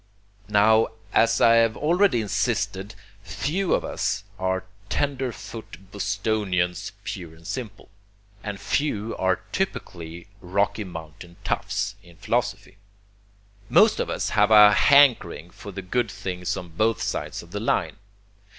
Now, as I have already insisted, few of us are tender foot Bostonians pure and simple, and few are typical Rocky Mountain toughs, in philosophy. Most of us have a hankering for the good things on both sides of the line.